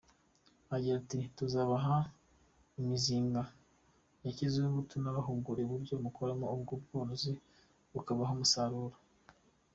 Agira ati “Tuzabaha n’imizinga ya kizungu tunabahugure uburyo bakoramo ubwo bworozi bukabaha umusaruro.